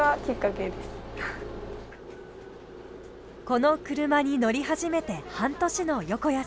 この車に乗り始めて半年の横谷さん。